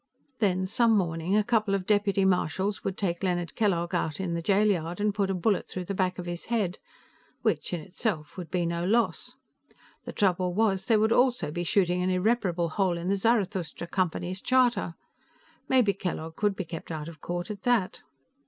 Then, some morning, a couple of deputy marshals would take Leonard Kellogg out in the jail yard and put a bullet through the back of his head, which, in itself, would be no loss. The trouble was, they would also be shooting an irreparable hole in the Zarathustra Company's charter. Maybe Kellogg could be kept out of court, at that.